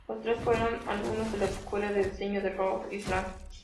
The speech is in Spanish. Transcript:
Los tres fueron alumnos de la Escuela de Diseño de Rhode Island.